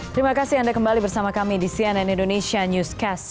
terima kasih anda kembali bersama kami di cnn indonesia newscast